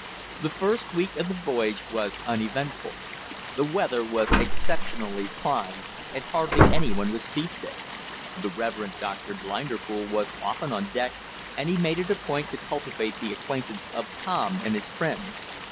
The first week of the voyage was uneventful. The weather was exceptionally fine, and hardly any one was seasick. The Reverend Mr. Blinderpool was often on deck, and he made it a point to cultivate the acquaintance of Tom and his friends.